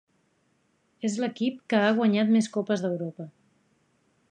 És l'equip que ha guanyat més Copes d'Europa.